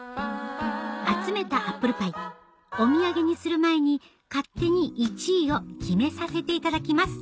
集めたアップルパイお土産にする前に勝手に１位を決めさせていただきます